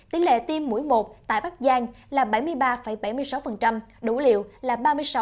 tỷ lệ tiêm mũi một tại bắc giang là bảy mươi ba bảy mươi sáu đủ liệu là ba mươi sáu năm mươi bảy